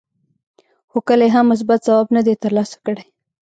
خو کله یې هم مثبت ځواب نه دی ترلاسه کړی.